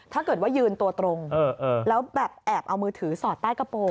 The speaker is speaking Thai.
ถ้าเกิดว่ายืนตัวตรงแล้วแบบแอบเอามือถือสอดใต้กระโปรง